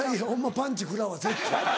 パンチ食らうわ絶対。